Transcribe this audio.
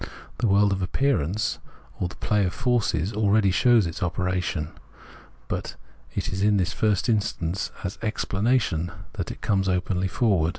The world of appearance, or the play of forces, aheady shows its operation ; but it is in the first instance as Explanation that it comes openly forward.